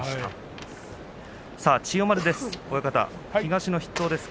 千代丸です。